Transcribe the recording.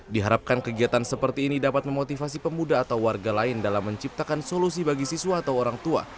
diharapkan kegiatan seperti ini dapat memotivasi pemuda atau warga lain dalam menciptakan solusi bagi siswa atau orang tua